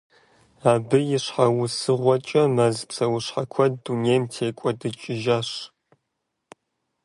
Абы и щхьэусыгъуэкӏэ, мэз псэущхьэ куэд дунейм текӀуэдыкӀыжащ.